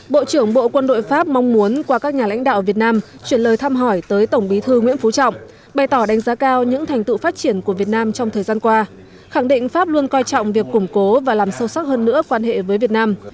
bộ trưởng bộ quân đội pháp mong muốn qua các nhà lãnh đạo việt nam chuyển lời thăm hỏi tới tổng bí thư nguyễn phú trọng bày tỏ đánh giá cao những thành tựu phát triển của việt nam trong thời gian qua khẳng định pháp luôn coi trọng việc củng cố và làm sâu sắc hơn nữa quan hệ với việt nam